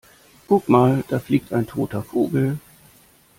Guck mal, da fliegt ein toter Vogel!